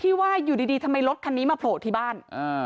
ว่าอยู่ดีทำไมรถคันนี้มาโผล่ที่บ้าน